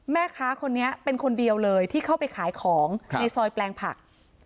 แม่ค้าคนนี้เป็นคนเดียวเลยที่เข้าไปขายของในซอยแปลงผัก